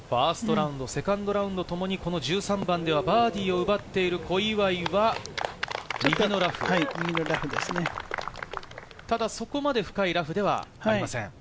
ファーストラウンド、セカンドラウンド共にこの１３番ではバーディーを奪っている小祝は右のラフ、ただ、そこまで深いラフではありません。